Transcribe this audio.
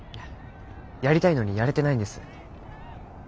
やりたいのにやれてないんです。